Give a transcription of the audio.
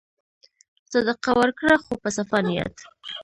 صدقه ورکړه خو په صفا نیت.